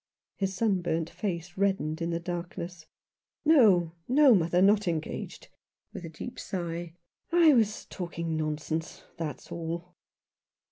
His sunburnt face reddened in the darkness. " Xo, no. mother, not engaged !" with a deep sigh. " I was talking nonsense, that's all."